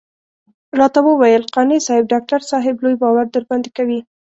راته وويل قانع صاحب ډاکټر صاحب لوی باور درباندې کوي.